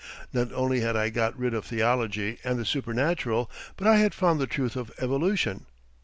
Not only had I got rid of theology and the supernatural, but I had found the truth of evolution.